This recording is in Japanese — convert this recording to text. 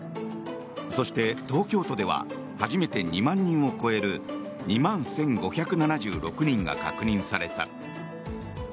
そして、東京都では初めて２万人を超える２万１５７６人が確認された。